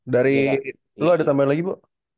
dari dulu ada tambahan lagi bu